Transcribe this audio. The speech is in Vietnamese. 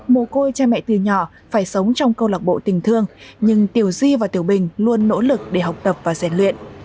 mồ côi cha mẹ từ nhỏ phải sống trong câu lạc bộ tình thương nhưng tiểu di và tiểu bình luôn nỗ lực để học tập và giàn luyện